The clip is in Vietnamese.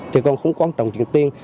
thì còn không quan trọng chuyện tiền